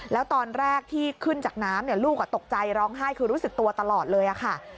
แล้วตอนแรกที่ขึ้นจากน้ำลูกตกใจร้องไห้คือรู้สึกตัวตลอดเลยค่ะ